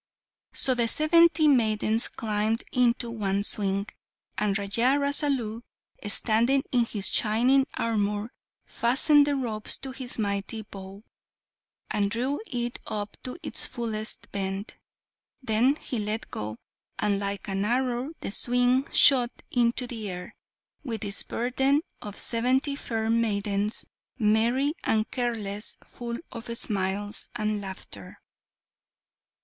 So the seventy maidens climbed into one swing, and Raja Rasalu, standing in his shining armour, fastened the ropes to his mighty bow, and drew it up to its fullest bent. Then he let go, and like an arrow the swing shot into the air, with its burden of seventy fair maidens, merry and careless, full of smiles and laughter.